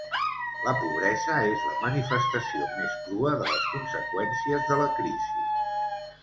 La pobresa és la manifestació més crua de les conseqüències de la crisi.